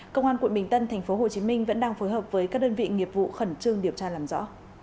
công an quận bình tân tp hcm vẫn đang phối hợp với các đơn vị nghiệp vụ khẩn trương điều tra làm rõ